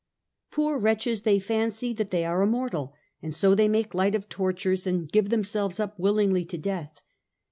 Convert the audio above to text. Poor wretches ! they fancy that they are immortal, and so they make light of tortures, and give themselves up willingly to death.